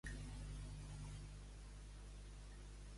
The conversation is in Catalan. En el sonar del càntir coneix hom si és sencer o no.